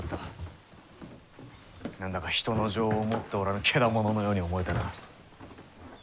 何だか人の情を持っておらぬケダモノのように思えてな。